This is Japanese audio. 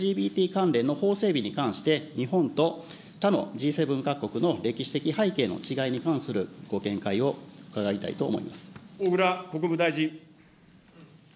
関連の法整備に関して、日本と他のＧ７各国の歴史的背景の違いに関するご見解を伺いたい小倉国務大臣。